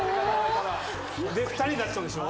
で２人になっちゃうんでしょ？